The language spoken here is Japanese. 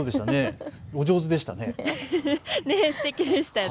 お上手でしたね。